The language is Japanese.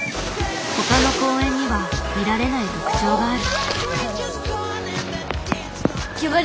他の公園には見られない特徴がある。